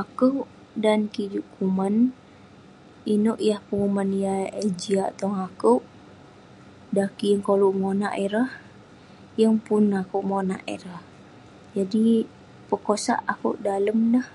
Akouk dan kik juk kuman, inouk yah penguman yah eh jiak tong akouk, dan kik yeng koluk monak ireh, yeng pun akouk monak ireh. Jadi pekosak akouk dalem neh.